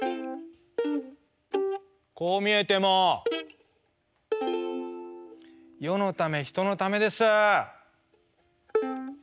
こう見えても世のため人のためです。